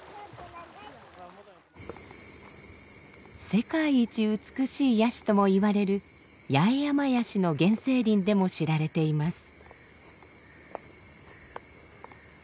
世界一美しいヤシとも言われるヤエヤマヤシの原生林でも知られています。